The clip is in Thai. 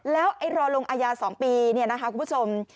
แล้วรอลงอายา๒ปีคุณผู้ชม